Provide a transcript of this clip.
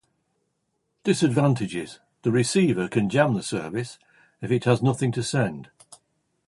Disadvantages : The receiver can jam the service if it has nothing to send.